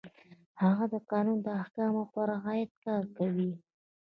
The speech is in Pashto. هغه د قانون د احکامو په رعایت کار کوي.